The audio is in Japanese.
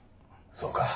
そうか。